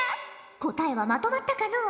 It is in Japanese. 答えはまとまったかのう？